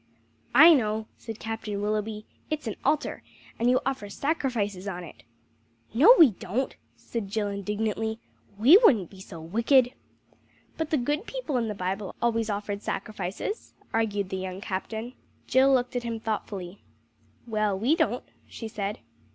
"I know!" said Captain Willoughby. "It's an altar, and you offer sacrifices on it." "No, we don't," said Jill indignantly, "we wouldn't be so wicked!" "But the good people in the Bible always offered sacrifices," argued the young Captain. Jill looked at him thoughtfully. "Well, we don't," she said.